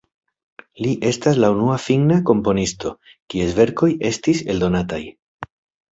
Li estas la unua finna komponisto, kies verkoj estis eldonataj.